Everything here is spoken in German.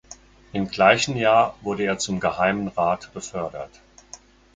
Im gleichen Jahr wurde er zum Geheimen Rat befördert.